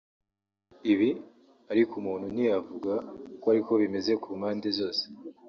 Ibi ariko umuntu ntiyavuga ko ariko bimeze ku mpande zose